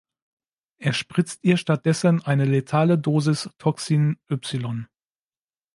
Er spritzt ihr stattdessen eine letale Dosis „Toxin Y“.